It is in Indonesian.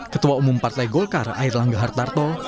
ketua umum partai golkar air langga hartarto